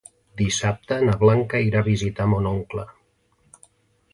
Dissabte na Blanca irà a visitar mon oncle.